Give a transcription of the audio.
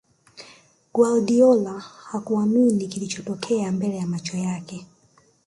guardiola hakuamini kilichotokea mbele macho yake